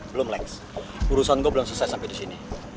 belum lex urusan gue belum selesai sampai disini